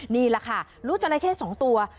นี่แหละค่ะลูกจอลลาเคสองตัว